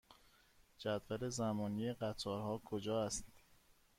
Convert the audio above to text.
جدول زمانی قطارها کجا است؟